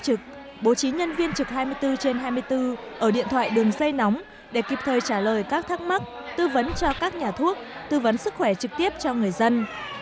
trực bố trí nhân viên trực hai mươi bốn trên hai mươi bốn ở điện thoại đường dây nóng để kịp thời trả lời các thắc mắc tư vấn cho các nhà thuốc tư vấn sức khỏe trực tiếp cho người dân